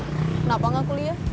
kenapa gak kuliah